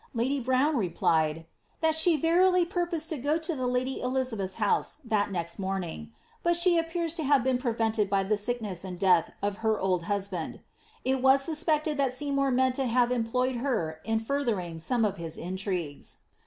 Lady Brown replied, ^ that she verily purposed 10 go to the lady Elizabeth's house that next moniing," but she appears to famve been prevented by the sickness and death of her old husband. It was suspected that Seymour meant to have employed her in further ing some of his intrigues.'